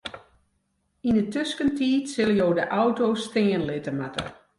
Yn 'e tuskentiid sille jo de auto stean litte moatte.